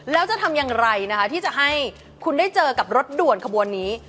แล้วจะทำอย่างไรนะคะที่จะให้คุณได้เจอกับรถด่วนขบวนนี้